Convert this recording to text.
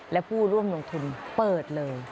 และผู้ร่วมลงทุนเปิดเลย